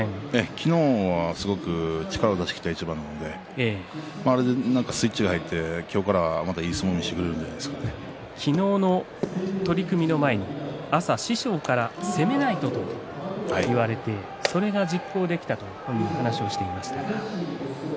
昨日は力を出し切った一番でスイッチが入って今日からまたいい相撲を見せてくれるんじゃ昨日の取組の前に朝に師匠から攻めないとと言われて、それが実行できたと本人は言っていました。